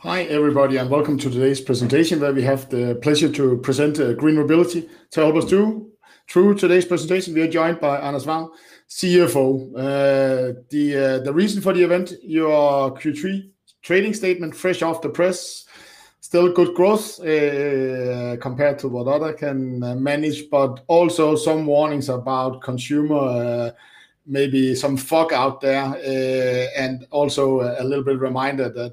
Hi everybody, and welcome to today's presentation, where we have the pleasure to present GreenMobility. To help us through today's presentation, we are joined by Anders Wall, CFO. The reason for the event, your Q3 trading statement fresh off the press. Still good growth compared to what others can manage, but also some warnings about consumer, maybe some fog out there, and also a little bit reminder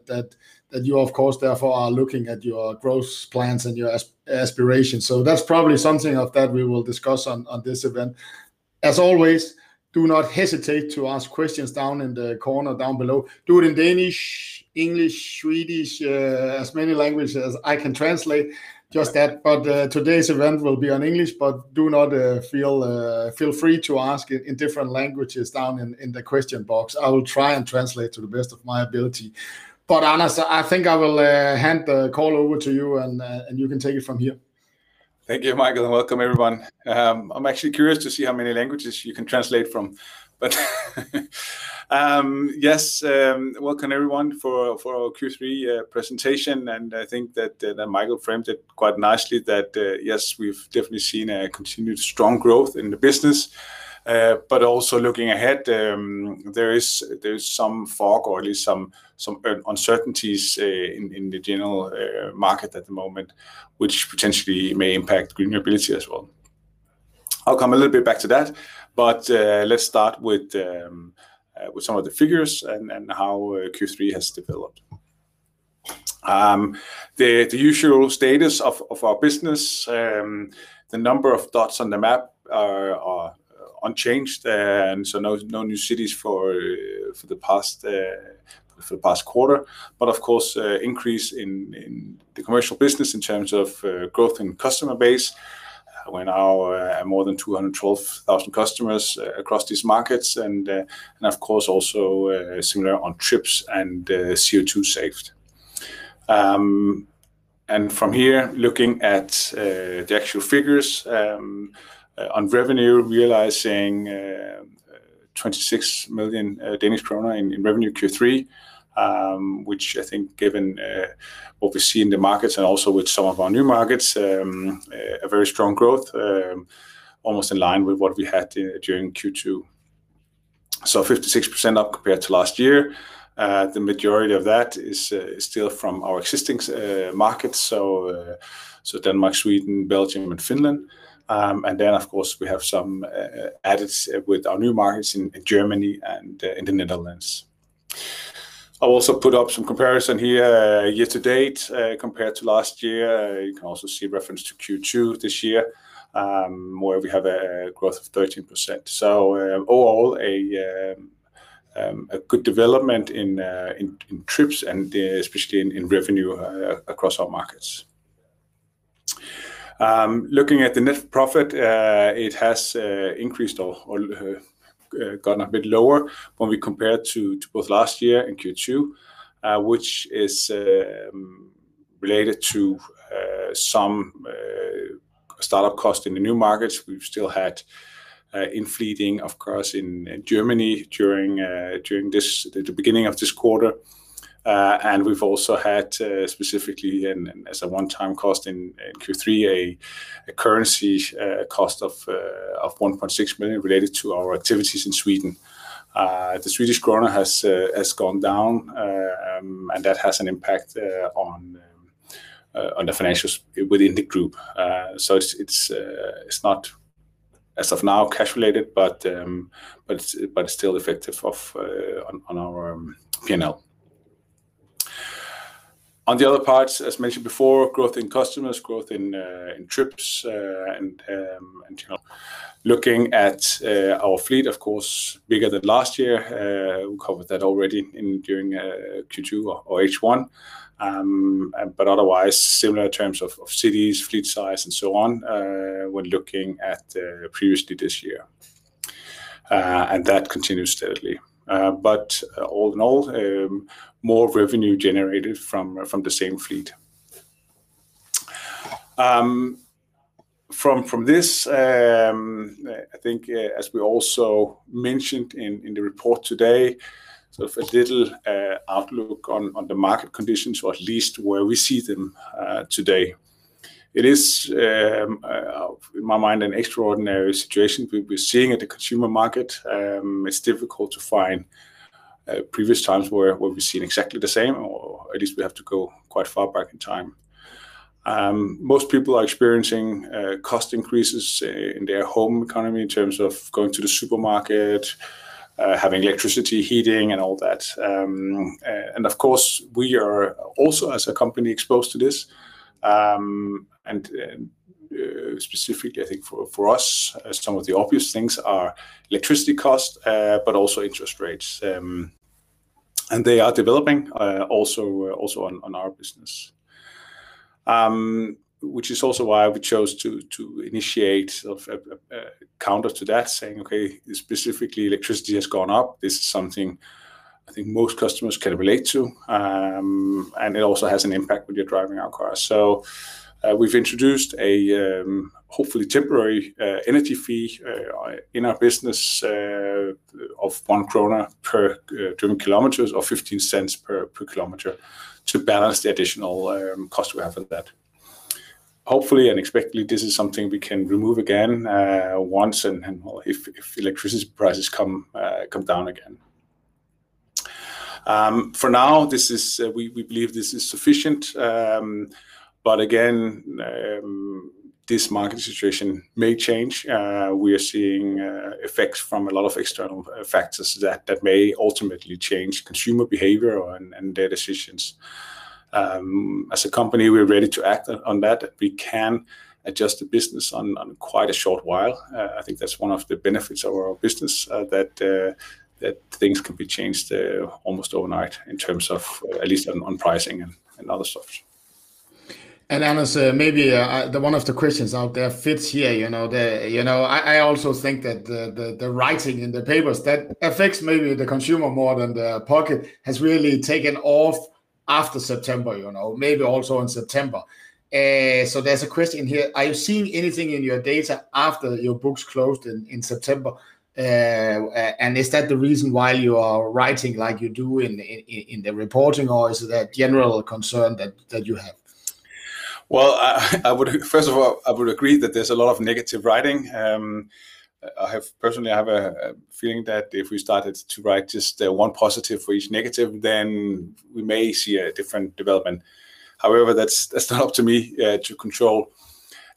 that you of course therefore are looking at your growth plans and your aspirations. That's probably something that we will discuss on this event. As always, do not hesitate to ask questions down in the corner down below. Do it in Danish, English, Swedish, as many languages as I can translate just that. Today's event will be in English, but do not... Feel free to ask in different languages down in the question box. I will try and translate to the best of my ability. Anders, I think I will hand the call over to you, and you can take it from here. Thank you, Michael, and welcome everyone. I'm actually curious to see how many languages you can translate from. Yes, welcome everyone for our Q3 presentation. I think that Michael framed it quite nicely that yes, we've definitely seen a continued strong growth in the business. Also looking ahead, there is some fog or at least some uncertainties in the general market at the moment, which potentially may impact GreenMobility as well. I'll come a little bit back to that, but let's start with some of the figures and how Q3 has developed. The usual status of our business, the number of dots on the map are unchanged, no new cities for the past quarter. Of course, increase in the commercial business in terms of growth in customer base. We're now more than 212,000 customers across these markets and of course also similar on trips and CO2 saved. From here, looking at the actual figures on revenue, realizing 26 million Danish kroner in revenue Q3, which I think given what we see in the markets and also with some of our new markets, a very strong growth, almost in line with what we had during Q2. 56% up compared to last year. The majority of that is still from our existing markets, so Denmark, Sweden, Belgium and Finland. And then of course, we have some added with our new markets in Germany and in the Netherlands. I'll also put up some comparison here, year to date, compared to last year. You can also see reference to Q2 this year, where we have a growth of 13%. Overall, a good development in trips and especially in revenue across our markets. Looking at the net profit, it has increased or gotten a bit lower when we compare to both last year and Q2, which is related to some start-up cost in the new markets. We've still had inflation of course in Germany during the beginning of this quarter. We've also had specifically and as a one-time cost in Q3 a currency cost of 1.6 million related to our activities in Sweden. The Swedish krona has gone down and that has an impact on the financials within the group. It's not as of now cash related, but still an effect on our P&L. On the other parts, as mentioned before, growth in customers, growth in trips and in general. Looking at our fleet of course bigger than last year. We covered that already during Q2 or H1. Otherwise similar terms of cities, fleet size and so on, when looking at earlier this year. That continues steadily. All in all, more revenue generated from the same fleet. From this, I think as we also mentioned in the report today, so, a little outlook on the market conditions or at least where we see them today. It is in my mind an extraordinary situation we're seeing at the consumer market. It's difficult to find previous times where we've seen exactly the same or at least we have to go quite far back in time. Most people are experiencing cost increases in their household economy in terms of going to the supermarket, having electricity, heating and all that. Of course, we are also as a company exposed to this. Specifically I think for us some of the obvious things are electricity cost, but also interest rates. They are developing also on our business. Which is also why we chose to initiate a counter to that saying, "Okay, specifically electricity has gone up." This is something I think most customers can relate to, and it also has an impact when you're driving our cars. We've introduced a hopefully temporary energy fee in our business of 1 krone per driven kilometers or 0.15 per kilometer to balance the additional cost we have in that. Hopefully and expectedly, this is something we can remove again once and if electricity prices come down again. For now, we believe this is sufficient. Again, this market situation may change. We are seeing effects from a lot of external factors that may ultimately change consumer behavior and their decisions. As a company, we're ready to act on that. We can adjust the business in quite a short while. I think that's one of the benefits of our business, that things can be changed almost overnight in terms of at least on pricing and other stuff. Anders, maybe the one of the questions out there fits here, you know, the writing in the papers that affects maybe the consumer more than the pocket has really taken off after September, you know, maybe also in September. There's a question here. Are you seeing anything in your data after your books closed in September? And is that the reason why you are writing like you do in the reporting, or is it a general concern that you have? Well, I would agree that there's a lot of negative writing. Personally, I have a feeling that if we started to write just one positive for each negative, then we may see a different development. However, that's not up to me to control.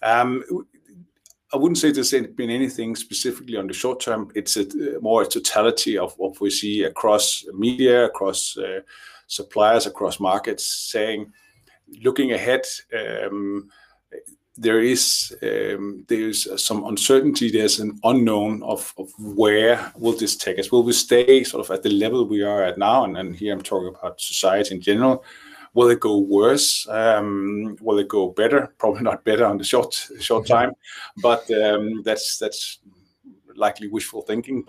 I wouldn't say there's been anything specifically on the short term. It's more a totality of what we see across media, across suppliers, across markets saying, looking ahead, there is some uncertainty, there's an unknown of where will this take us. Will we stay sort of at the level we are at now? Here I'm talking about society in general. Will it go worse? Will it go better? Probably not better on the short time. That's likely wishful thinking.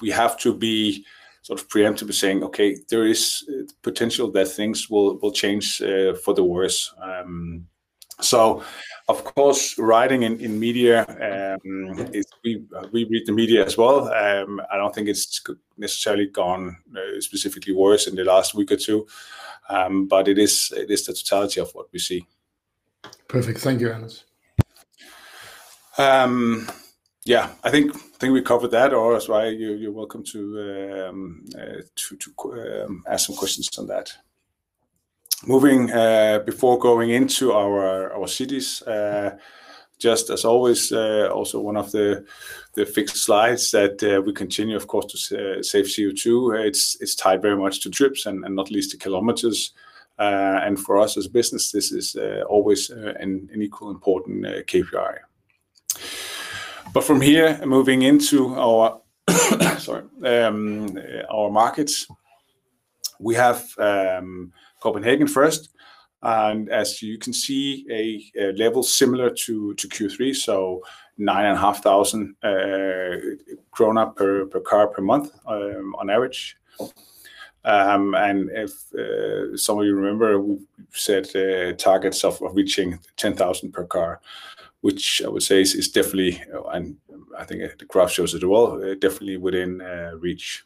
We have to be sort of preemptively saying, "Okay, there is potential that things will change for the worse." Of course, what is written in the media, we read the media as well. I don't think it's necessarily gotten specifically worse in the last week or two. It is the totality of what we see. Perfect. Thank you, Anders. Yeah, I think we covered that, or else if you're welcome to ask some questions on that. Moving before going into our cities, just as always, also one of the fixed slides that we continue of course to save CO2. It's tied very much to trips and not least to kilometers. For us as business, this is always an equally important KPI. From here, moving into our, sorry, our markets, we have Copenhagen first. As you can see, a level similar to Q3, so 9,500 krone per car per month on average. If some of you remember, we set the targets of reaching 10,000 per car, which I would say is definitely, and I think the graph shows it well, definitely within reach.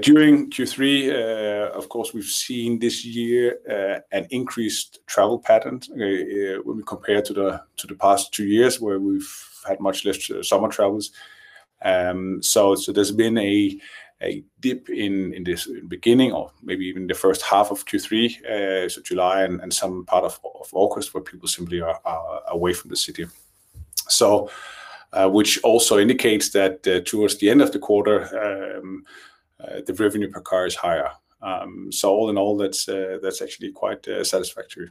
During Q3, of course, we've seen this year an increased travel pattern when we compare to the past two years where we've had much less summer travels. There's been a dip in this beginning or maybe even the first half of Q3, so July and some part of August where people simply are away from the city. Which also indicates that towards the end of the quarter, the revenue per car is higher. All in all, that's actually quite satisfactory.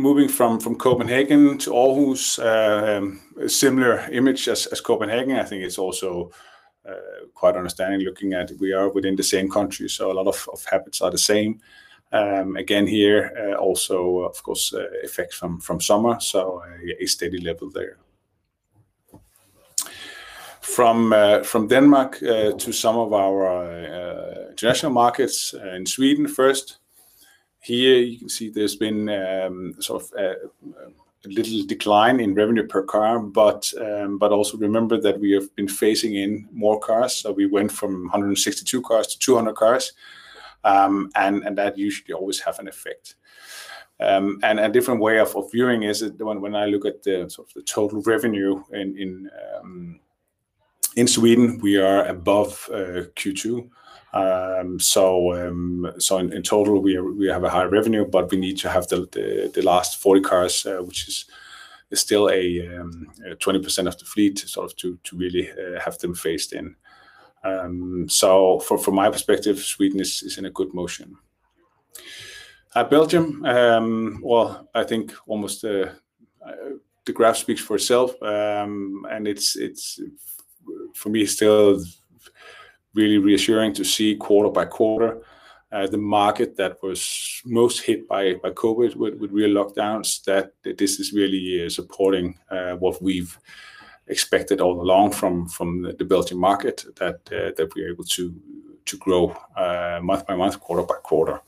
Moving from Copenhagen to Aarhus, a similar image as Copenhagen. I think it's also quite understandable looking at we are within the same country, so a lot of habits are the same. Again here, also of course, effects from summer, so a steady level there. From Denmark to some of our international markets in Sweden first. Here you can see there's been sort of a little decline in revenue per car, but also remember that we have been phasing in more cars. We went from 162 cars to 200 cars, and that usually always have an effect. A different way of viewing is when I look at the sort of total revenue in Sweden, we are above Q2. In total, we have a higher revenue, but we need to have the last 40 cars, which is still a 20% of the fleet, sort of to really have them phased in. From my perspective, Sweden is in a good momentum. Belgium, well, I think the graph speaks for itself. It's for me still really reassuring to see quarter by quarter the market that was most hit by COVID with real lockdowns that this is really supporting what we've expected all along from the Belgian market that we're able to grow month by month, quarter by quarter.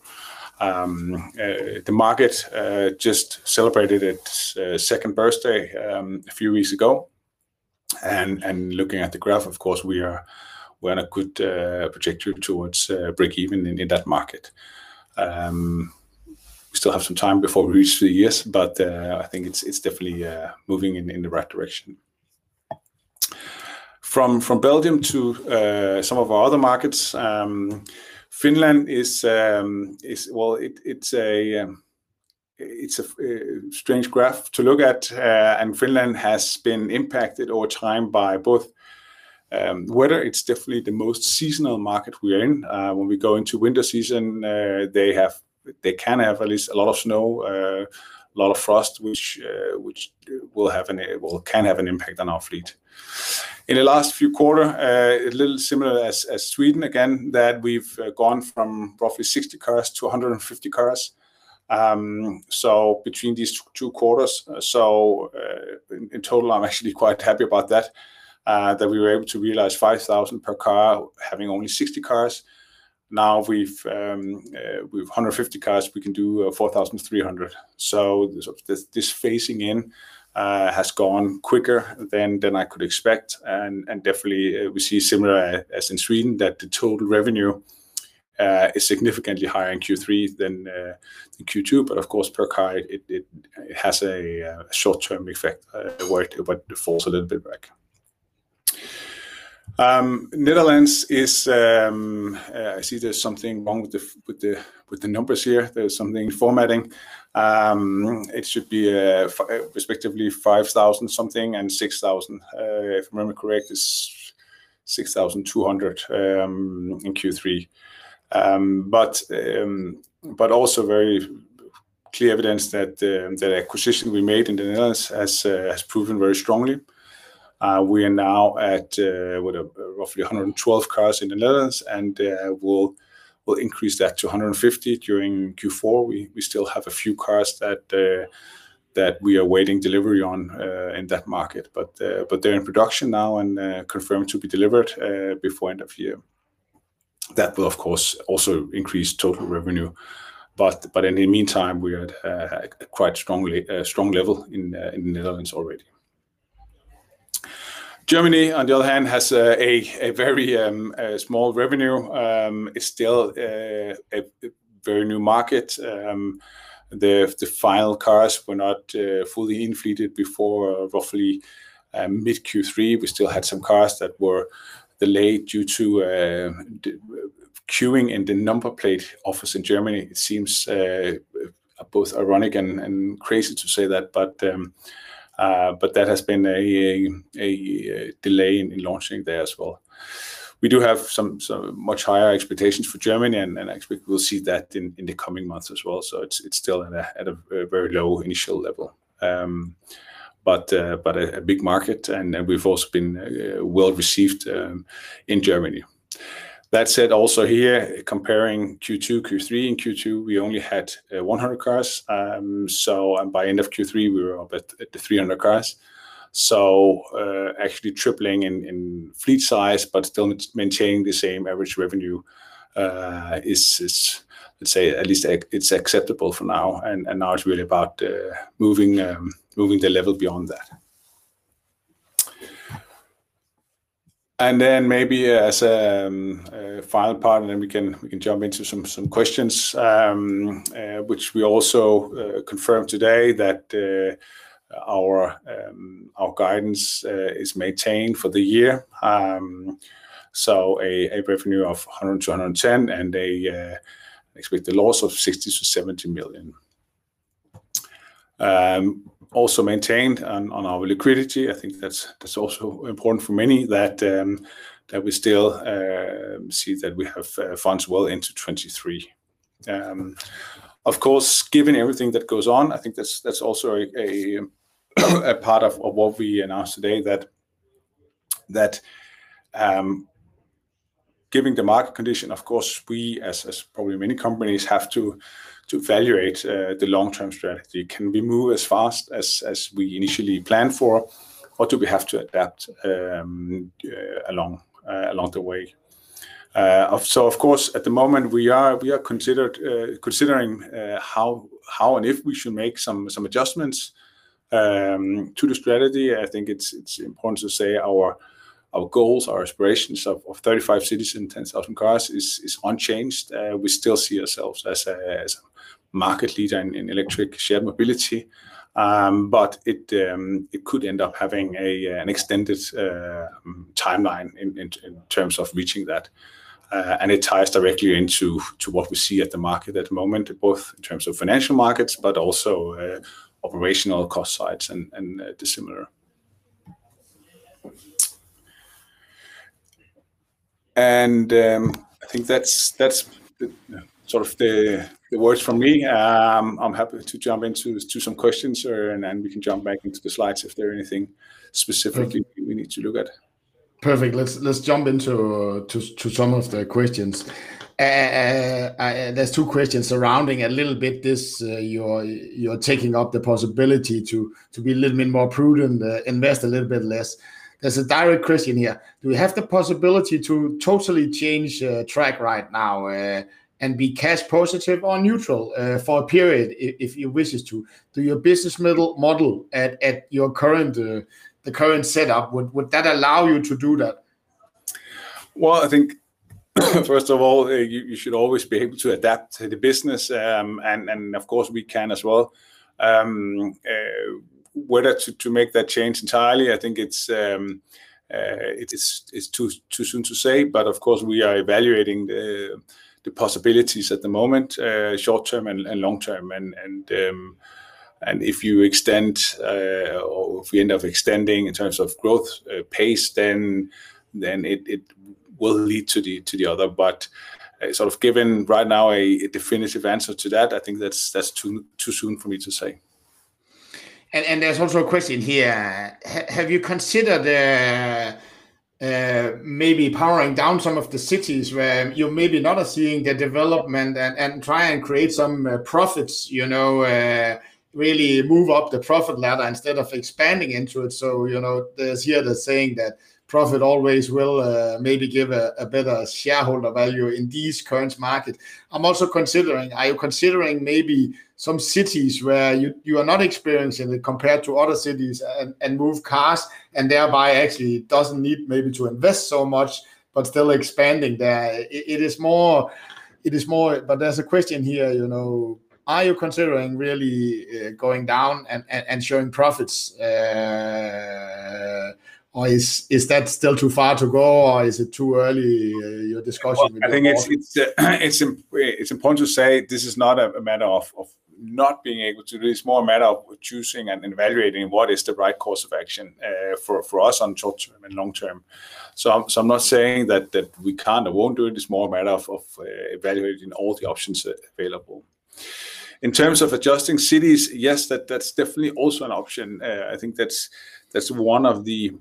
The market just celebrated its second birthday a few weeks ago. Looking at the graph, of course, we're on a good trajectory towards breakeven in that market. We still have some time before we reach three years, but I think it's definitely moving in the right direction. From Belgium to some of our other markets, Finland is well, it's a strange graph to look at. Finland has been impacted over time by both weather, it's definitely the most seasonal market we're in. When we go into winter season, they can have at least a lot of snow, a lot of frost, which can have an impact on our fleet. In the last few quarters, a little similar as Sweden, again, that we've gone from roughly 60 cars to 150 cars, so between these two quarters. In total, I'm actually quite happy about that we were able to realize 5,000 per car having only 60 cars. Now, we've 150 cars, we can do 4,300. This phasing in has gone quicker than I could expect. We definitely see similar as in Sweden, that the total revenue is significantly higher in Q3 than in Q2. Of course, per car, it has a short-term effect where it falls a little bit back. Netherlands is. I see there's something wrong with the numbers here. There's something formatting. It should be respectively 5,000 something and 6,000. If I remember correct, it's 6,200 in Q3. Also very clear evidence that the acquisition we made in the Netherlands has proven very strongly. We are now at roughly 112 cars in the Netherlands, and we'll increase that to 150 during Q4. We still have a few cars that we are waiting delivery on in that market. They're in production now and confirmed to be delivered before end of year. That will, of course, also increase total revenue. In the meantime, we are at a quite strong level in Netherlands already. Germany, on the other hand, has a very small revenue. It's still a very new market. The final cars were not fully inflated before roughly mid Q3. We still had some cars that were delayed due to queuing in the number plate office in Germany. It seems both ironic and crazy to say that, but that has been a delay in launching there as well. We do have some much higher expectations for Germany, and I expect we'll see that in the coming months as well. It's still at a very low initial level. A big market, and we've also been well-received in Germany. That said, also here, comparing Q2, Q3. In Q2, we only had 100 cars. By end of Q3, we were up at the 300 cars. Actually tripling in fleet size, but still maintaining the same average revenue is, let's say at least, it's acceptable for now, and now it's really about moving the level beyond that. Then maybe as final part, and then we can jump into some questions, which we also confirmed today that our guidance is maintained for the year. A revenue of 100 million-110 million, and expect the loss of 60 million-70 million. Also maintained on our liquidity. I think that's also important for many that we still see that we have funds well into 2023. Of course, given everything that goes on, I think that's also a part of what we announced today that given the market condition, of course, we, as probably many companies, have to evaluate the long-term strategy. Can we move as fast as we initially planned for, or do we have to adapt along the way? Of course, at the moment, we are considering how and if we should make some adjustments to the strategy. I think it's important to say our goals, our aspirations of 35 cities and 10,000 cars is unchanged. We still see ourselves as a market leader in electric shared mobility. It could end up having an extended timeline in terms of reaching that. It ties directly into what we see at the market at the moment, both in terms of financial markets, but also, operational cost sides and the similar. I think that's the sort of words from me. I'm happy to jump into some questions here, and then we can jump back into the slides if there are anything specifically we need to look at. Perfect. Let's jump into some of the questions. There's two questions surrounding a little bit this you're taking up the possibility to be a little bit more prudent, invest a little bit less. There's a direct question here. Do we have the possibility to totally change track right now and be cash positive or neutral for a period if you wish to? Does your business model at the current setup would that allow you to do that? Well, I think first of all, you should always be able to adapt to the business, and of course we can as well. Whether to make that change entirely, I think it's too soon to say, but of course, we are evaluating the possibilities at the moment, short-term and long-term. If you extend, or if we end up extending in terms of growth pace, then it will lead to the other. Sort of giving right now a definitive answer to that, I think that's too soon for me to say. There's also a question here. Have you considered maybe powering down some of the cities where you're maybe not are seeing the development and try and create some profits, you know? Really move up the profit ladder instead of expanding into it. You know, there's here the saying that profit always will maybe give a better shareholder value in these current market. I'm also considering, are you considering maybe some cities where you are not experiencing it compared to other cities and move cars, and thereby actually doesn't need maybe to invest so much but still expanding there? It is more. There's a question here, you know. Are you considering really going down and showing profits? Is that still too far to go or is it too early, your discussion with your board? Well, I think it's important to say this is not a matter of not being able to. It's more a matter of choosing and evaluating what is the right course of action for us on short-term and long-term. I'm not saying that we can't or won't do it. It's more a matter of evaluating all the options available. In terms of adjusting cities, yes, that's definitely also an option. I think that's one of the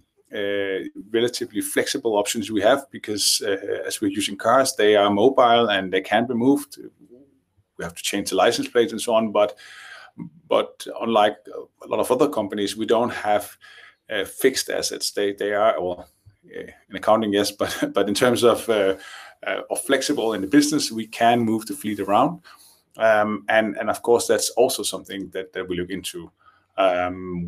relatively flexible options we have because as we're using cars, they are mobile and they can be moved. We have to change the license plates and so on but unlike a lot of other companies, we don't have fixed assets. They are. In accounting, yes, but in terms of flexibility in the business, we can move the fleet around. Of course, that's also something that we look into.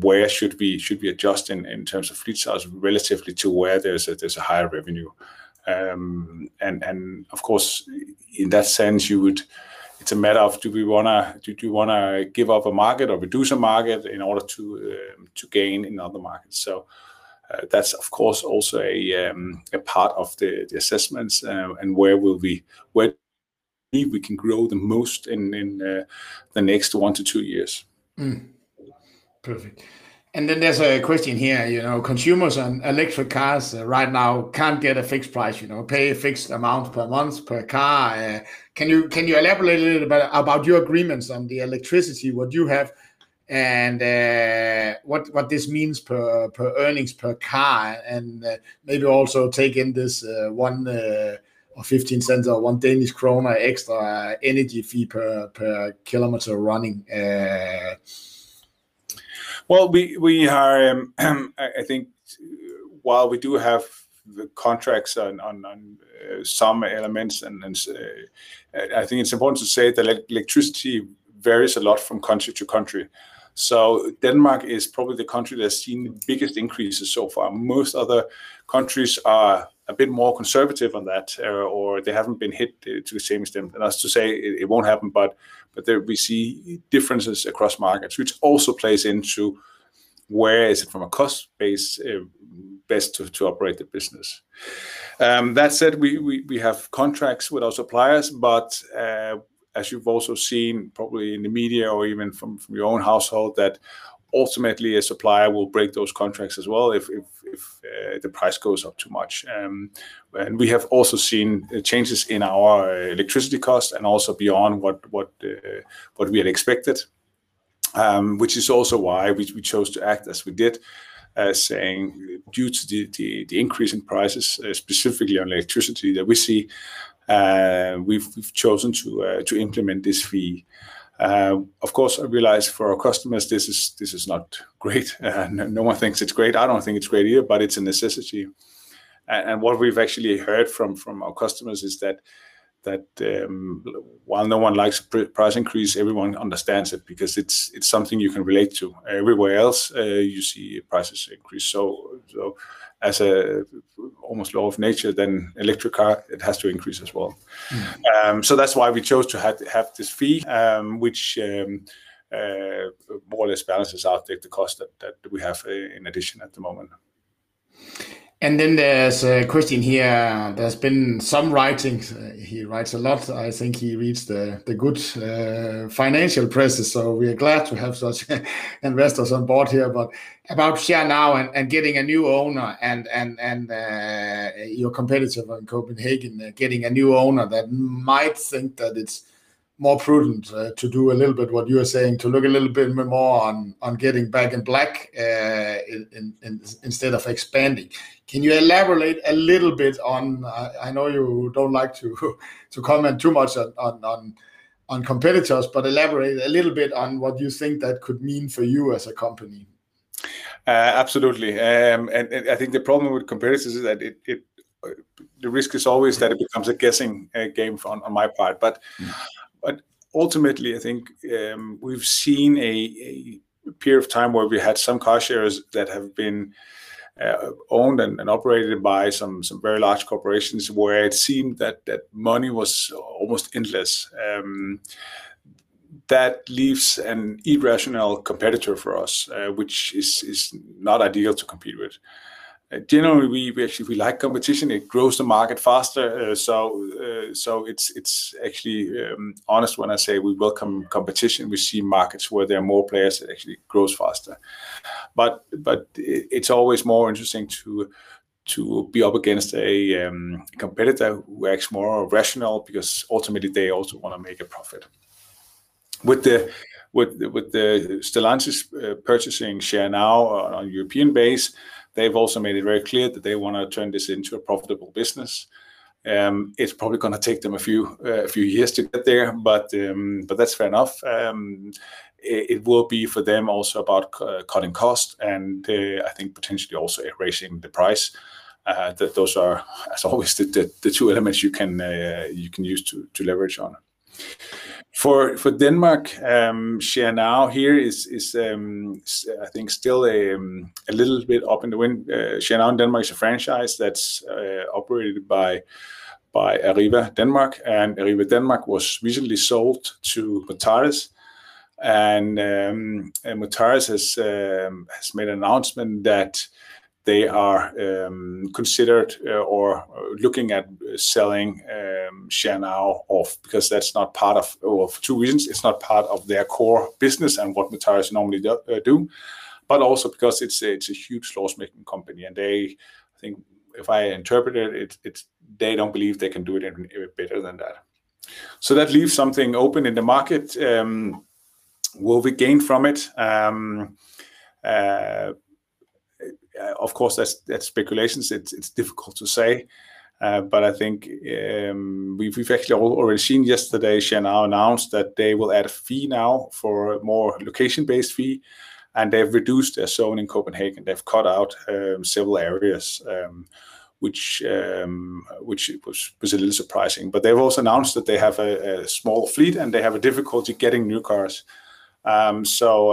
Where should we adjust in terms of fleet size relative to where there's a higher revenue? Of course, in that sense it's a matter of do you wanna give up a market or reduce a market in order to gain in other markets? That's of course also a part of the assessments, and where we can grow the most in the next one to two years. Perfect. There's a question here. You know, consumers on electric cars right now can't get a fixed price, you know, pay a fixed amount per month per car. Can you elaborate a little bit about your agreements on the electricity, what you have and what this means per earnings per car? Maybe also take in this one or 0.15 or 1 Danish kroner extra energy fee per kilometer running. I think, while we do have the contracts on some elements, it's important to say that electricity varies a lot from country to country. Denmark is probably the country that's seen the biggest increases so far. Most other countries are a bit more conservative on that, or they haven't been hit to the same extent. Not to say it won't happen, but there we see differences across markets, which also plays into where it is from a cost base best to operate the business. That said, we have contracts with our suppliers, but as you've also seen probably in the media or even from your own household, that ultimately a supplier will break those contracts as well if the price goes up too much. We have also seen changes in our electricity cost and also beyond what we had expected. Which is also why we chose to act as we did, saying due to the increase in prices, specifically on electricity that we see, we've chosen to implement this fee. Of course, I realize for our customers this is not great. No one thinks it's great. I don't think it's great either, but it's a necessity. What we've actually heard from our customers is that while no one likes a price increase, everyone understands it because it's something you can relate to. Everywhere else you see prices increase, so as an almost law of nature, then electric car it has to increase as well. Mm. That's why we chose to have this fee, which more or less balances out the cost that we have in addition at the moment. There's a question here. There's been some writings. He writes a lot. I think he reads the good financial press, so we are glad to have such investors on board here. About Share Now and getting a new owner and your competitor in Copenhagen getting a new owner that might think that it's more prudent to do a little bit what you are saying, to look a little bit more on getting back in black in instead of expanding. Can you elaborate a little bit on what you think that could mean for you as a company. I know you don't like to comment too much on competitors, but elaborate a little bit on what you think that could mean for you as a company. Absolutely. I think the problem with competitors. The risk is always that it becomes a guessing game on my part. Mm. Ultimately, I think, we've seen a period of time where we had some car shares that have been owned and operated by some very large corporations where it seemed that money was almost endless. That leaves an irrational competitor for us, which is not ideal to compete with. Generally we actually like competition. It grows the market faster. It's actually honest when I say we welcome competition. We see markets where there are more players. It actually grows faster. It's always more interesting to be up against a competitor who acts more rational because ultimately they also wanna make a profit. With the Stellantis purchasing Share Now on a European basis, they've also made it very clear that they wanna turn this into a profitable business. It's probably gonna take them a few years to get there, but that's fair enough. It will be for them also about cutting cost and I think potentially also raising the price that those are as always the two elements you can use to leverage on. For Denmark, Share Now here is I think still a little bit up in the air. Share Now in Denmark is a franchise that's operated by Arriva Denmark, and Arriva Denmark was recently sold to Mutares. Mutares has made an announcement that they are considering or looking at selling Share Now off because that's not part of their core business and what Mutares normally do, but also because it's a huge loss-making company and they think, if I interpret it, they don't believe they can do it any better than that. That leaves something open in the market. Will we gain from it? Of course, that's speculation. It's difficult to say. But I think we've actually already seen yesterday Share Now announce that they will add a fee now, a more location-based fee, and they've reduced their zone in Copenhagen. They've cut out several areas, which was a little surprising. They've also announced that they have a small fleet, and they have a difficulty getting new cars. So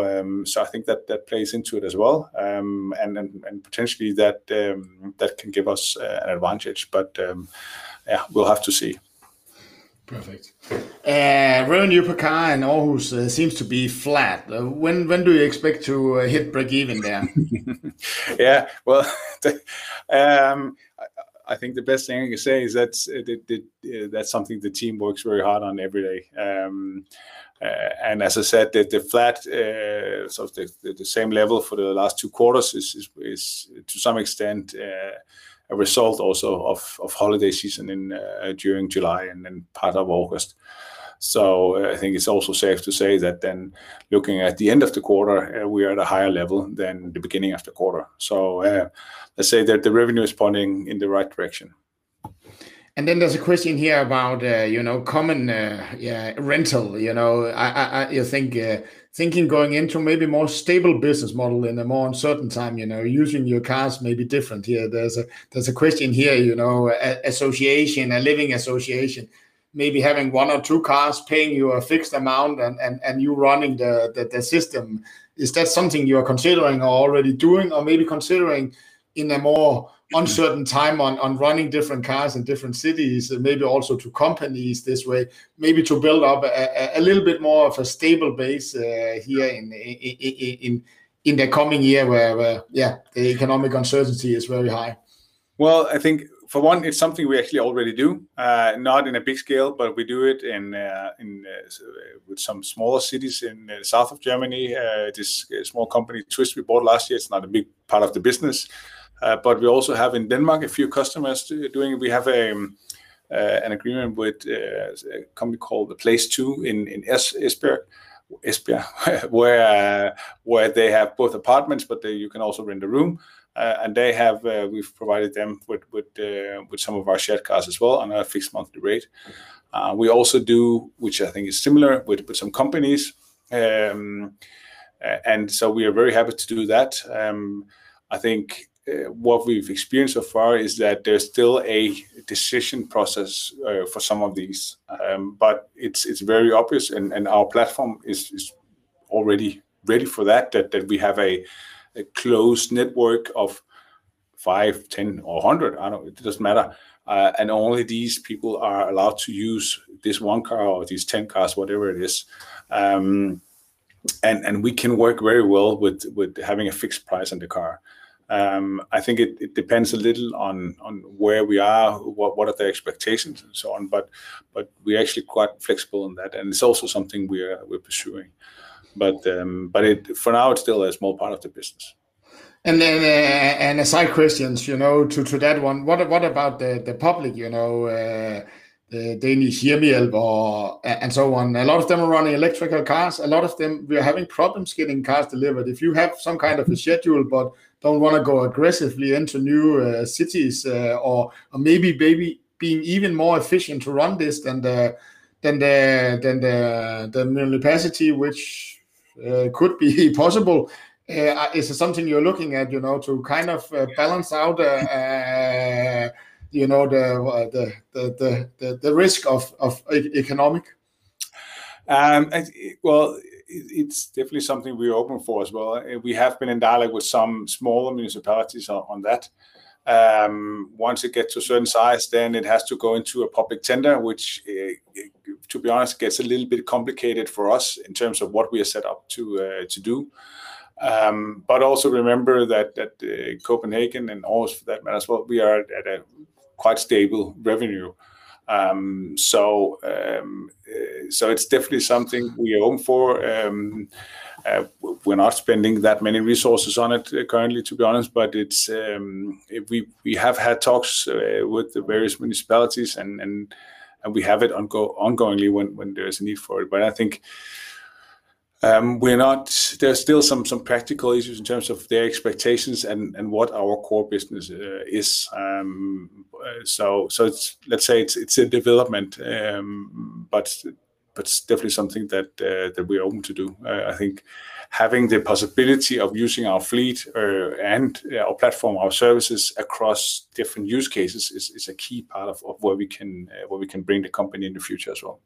I think that plays into it as well. And potentially that can give us an advantage, but yeah, we'll have to see. Perfect. Revenue per car in Aarhus seems to be flat. When do you expect to hit break even there? Yeah. Well, I think the best thing I can say is that's something the team works very hard on every day. And as I said, the flat so the same level for the last two quarters is to some extent a result also of holiday season during July and then part of August. I think it's also safe to say that then looking at the end of the quarter, we are at a higher level than the beginning of the quarter. Let's say that the revenue is pointing in the right direction. There's a question here about, you know, car rental. You know, do you think going into maybe more stable business model in a more uncertain time, you know, using your cars may be different. There's a question here, you know, co-living association, maybe having one or two cars paying you a fixed amount and you running the system. Is that something you are considering or already doing or maybe considering in a more uncertain time on running different cars in different cities and maybe also to companies this way, maybe to build up a little bit more of a stable base here in the coming year where the economic uncertainty is very high? Well, I think for one, it's something we actually already do. Not in a big scale, but we do it in with some smaller cities in south of Germany. This small company Twist we bought last year, it's not a big part of the business. But we also have in Denmark a few customers doing. We have an agreement with a company called A Place To in Esbjerg, where they have both apartments, but you can also rent a room. And they have, we've provided them with some of our shared cars as well on a fixed monthly rate. We also do, which I think is similar with some companies. And so we are very happy to do that. I think what we've experienced so far is that there's still a decision process for some of these. It's very obvious and our platform is already ready for that, we have a closed network of five, 10 or 100. It doesn't matter. Only these people are allowed to use this one car or these ten cars, whatever it is. We can work very well with having a fixed price on the car. I think it depends a little on where we are, what are the expectations and so on, but we're actually quite flexible in that, and it's also something we're pursuing. For now, it's still a small part of the business. An aside question, you know, to that one, what about the public, you know, the Danish jem & fix or and so on. A lot of them are running electric cars. A lot of them, we are having problems getting cars delivered. If you have some kind of a schedule but don't wanna go aggressively into new cities, or maybe being even more efficient to run this than the capacity which could be possible, is it something you're looking at, you know, to kind of balance out, you know, the risk of economic Well, it's definitely something we're open for as well. We have been in dialogue with some smaller municipalities on that. Once it gets to a certain size, then it has to go into a public tender, which, to be honest, gets a little bit complicated for us in terms of what we are set up to do. But also remember that Copenhagen and Aarhus for that matter as well, we are at a quite stable revenue. So it's definitely something we aim for. We're not spending that many resources on it currently, to be honest, but it's we have had talks with the various municipalities and we have it ongoing when there's a need for it. I think we're not. There's still some practical issues in terms of their expectations and what our core business is. So it's, let's say, a development, but it's definitely something that we are open to do. I think having the possibility of using our fleet and our platform, our services across different use cases is a key part of where we can bring the company in the future as well.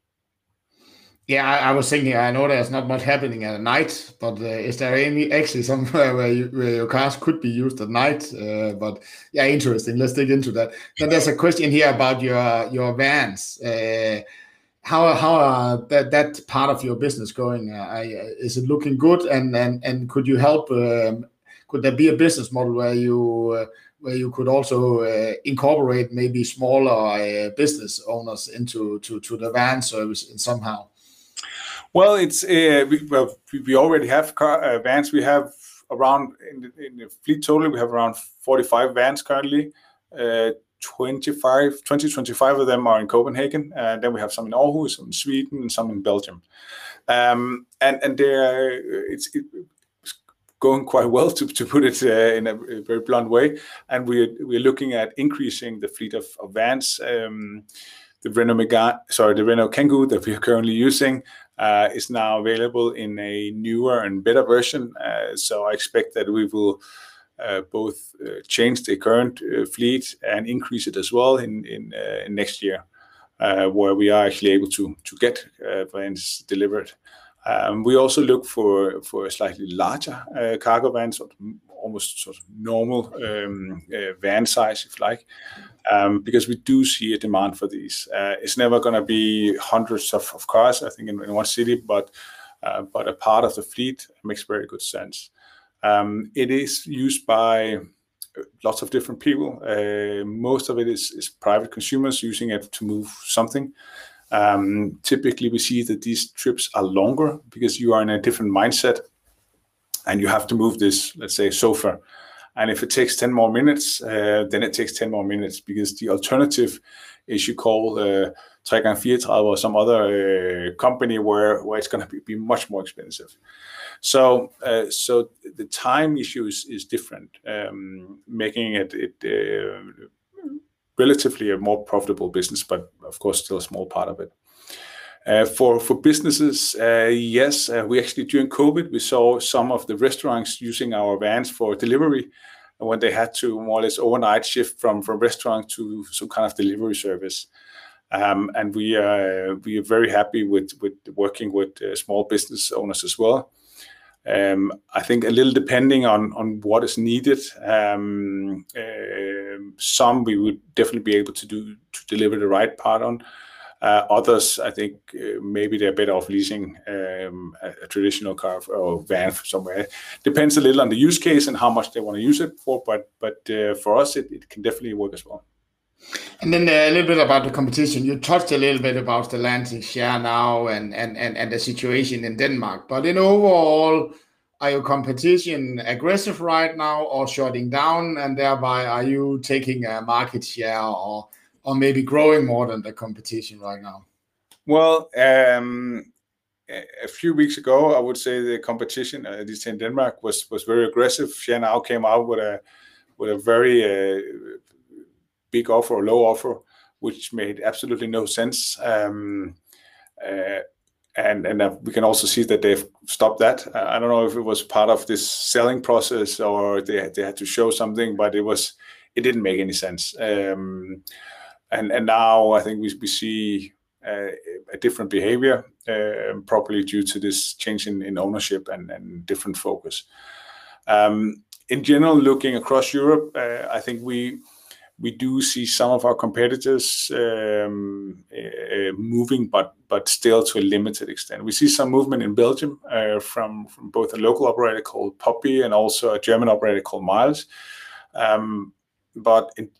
Yeah, I was thinking, I know there's not much happening at night, but is there any actually somewhere where your cars could be used at night? Yeah, interesting. Let's dig into that. There's a question here about your vans. How is that part of your business going? Is it looking good? Could there be a business model where you could also incorporate maybe smaller business owners into the van service somehow? Well, we already have vans. In the fleet total, we have around 45 vans currently. 25 of them are in Copenhagen. Then we have some in Aarhus, some in Sweden, and some in Belgium. They're going quite well, to put it in a very blunt way. We're looking at increasing the fleet of vans. The Renault Megane, sorry, the Renault Kangoo that we are currently using is now available in a newer and better version. I expect that we will both change the current fleet and increase it as well in next year, where we are actually able to get vans delivered. We also look for a slightly larger cargo van, so almost sort of normal van size, if you like, because we do see a demand for these. It's never gonna be hundreds of cars, I think, in one city, but a part of the fleet makes very good sense. It is used by lots of different people. Most of it is private consumers using it to move something. Typically, we see that these trips are longer because you are in a different mindset, and you have to move this, let's say, sofa. If it takes 10 more minutes, then it takes 10 more minutes because the alternative is you call 3F or some other company where it's gonna be much more expensive. The time issue is different, making it relatively a more profitable business, but of course, still a small part of it. For businesses, yes, we actually during COVID saw some of the restaurants using our vans for delivery when they had to more or less overnight shift from restaurant to some kind of delivery service. We are very happy with working with small business owners as well. I think a little depending on what is needed, some we would definitely be able to deliver the right partner. Others, I think, maybe they're better off leasing a traditional car or van from somewhere. Depends a little on the use case and how much they want to use it for, but for us, it can definitely work as well. A little bit about the competition. You talked a little bit about the licensing Share Now and the situation in Denmark. Overall, are your competition aggressive right now or shutting down? Thereby, are you taking a market share or maybe growing more than the competition right now? Well, a few weeks ago, I would say the competition, at least in Denmark, was very aggressive. Share Now came out with a very big offer or low offer, which made absolutely no sense. We can also see that they've stopped that. I don't know if it was part of this selling process or they had to show something, but it didn't make any sense. Now I think we see a different behavior, probably due to this change in ownership and different focus. In general, looking across Europe, I think we do see some of our competitors moving, but still to a limited extent. We see some movement in Belgium from both a local operator called Poppy and also a German operator called MILES. In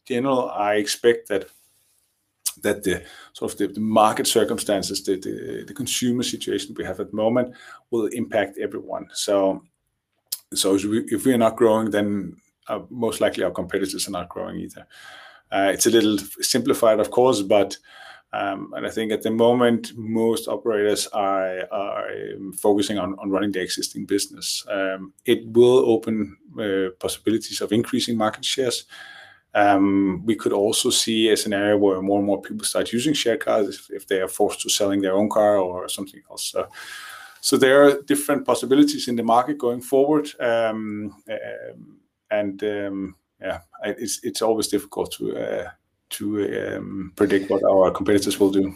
general, I expect that the sort of the market circumstances, the consumer situation we have at the moment will impact everyone. If we're not growing, then most likely our competitors are not growing either. It's a little simplified, of course, I think at the moment, most operators are focusing on running the existing business. It will open possibilities of increasing market shares. We could also see a scenario where more and more people start using share cars if they are forced to selling their own car or something else. There are different possibilities in the market going forward. Yeah, it's always difficult to predict what our competitors will do.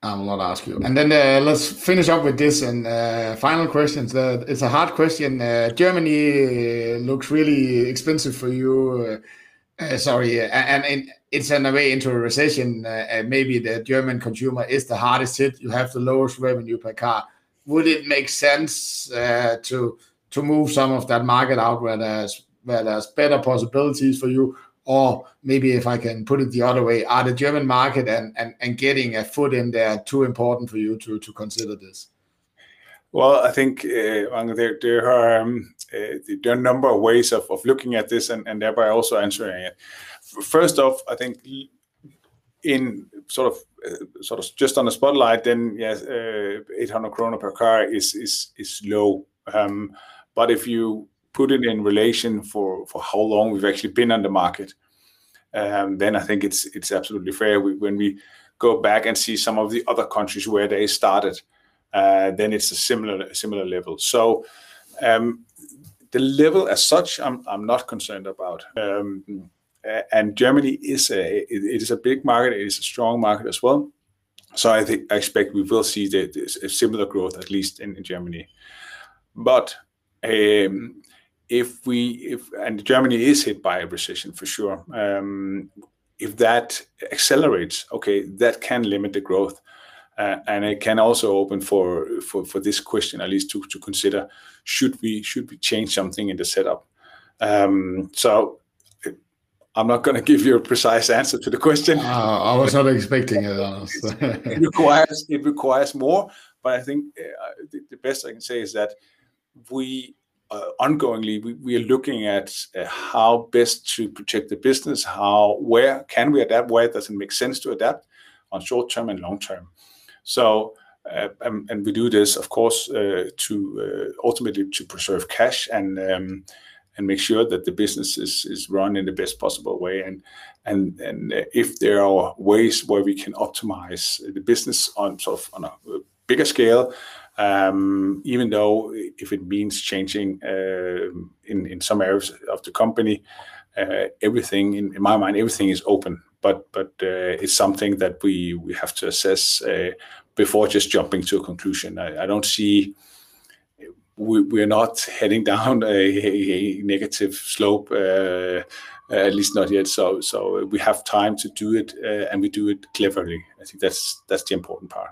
I will not ask you. Then, let's finish up with this and final question. It's a hard question. Germany looks really expensive for you. Sorry. It's in a way into a recession, and maybe the German consumer is the hardest hit. You have the lowest revenue per car. Would it make sense to move some of that market out where there's better possibilities for you? Or maybe if I can put it the other way, are the German market and getting a foot in there too important for you to consider this? Well, I think, Anders Wall, there are a number of ways of looking at this and thereby also answering it. First off, I think in sort of just on the spotlight then yes, 800 kroner per car is low. But if you put it in relation for how long we've actually been on the market, then I think it's absolutely fair. When we go back and see some of the other countries where they started, then it's a similar level. So, the level as such, I'm not concerned about. Germany is a big market, it is a strong market as well, so I think I expect we will see a similar growth, at least in Germany. If... Germany is hit by a recession, for sure. If that accelerates, that can limit the growth, and it can also open for this question at least to consider, should we change something in the setup? I'm not gonna give you a precise answer to the question. I was not expecting an answer. It requires more, but I think the best I can say is that we ongoingly are looking at how best to protect the business, how, where can we adapt, where does it make sense to adapt on short term and long term. We do this of course to ultimately preserve cash and make sure that the business is run in the best possible way. If there are ways where we can optimize the business on sort of on a bigger scale, even though if it means changing in some areas of the company, everything in my mind everything is open. It is something that we have to assess before just jumping to a conclusion. I don't see. We're not heading down a negative slope, at least not yet, so we have time to do it, and we do it cleverly. I think that's the important part.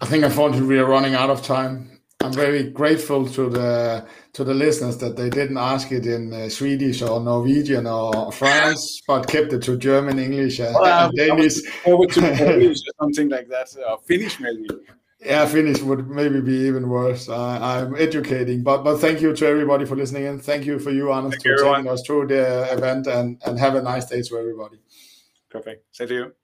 I think unfortunately we are running out of time. I'm very grateful to the listeners that they didn't ask it in Swedish or Norwegian or French, but kept it to German, English, and Danish. Well, I was looking forward to Poland or something like that, or Finland maybe. Yeah, Finnish would maybe be even worse. I'm educating. Thank you to everybody for listening in. Thank you to you, Anders. Thank you, Michael Friis. or joining us through the event and have a nice day to everybody. Perfect. Same to you.